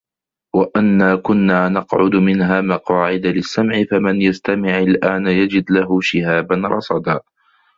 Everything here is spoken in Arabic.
وَأَنّا كُنّا نَقعُدُ مِنها مَقاعِدَ لِلسَّمعِ فَمَن يَستَمِعِ الآنَ يَجِد لَهُ شِهابًا رَصَدًا